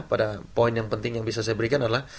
pada poin yang penting yang bisa saya berikan adalah